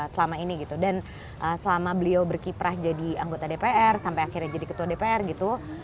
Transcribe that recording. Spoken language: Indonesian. selama ini gitu dan selama beliau berkiprah jadi anggota dpr sampai akhirnya jadi ketua dpr gitu